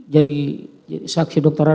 jadi saksi dokteran